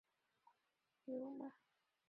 儿子刘黑马。